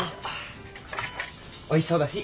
おいしそうだし。